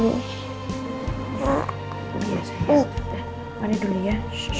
biasa ya mari dulu ya